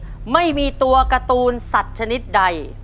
ว่าไม่มีตัวการ์ตูนสัตว์ชนิดใด